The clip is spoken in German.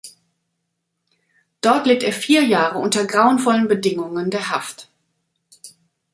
Dort litt er vier Jahre unter grauenvollen Bedingungen der Haft.